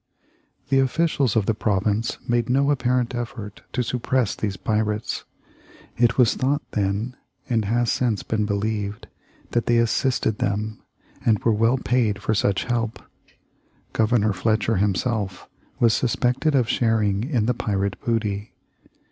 The officials of the province made no apparent effort to suppress these pirates. It was thought then, and has since been believed, that they assisted them, and were well paid for such help. Governor Fletcher himself was suspected of sharing in the pirate booty.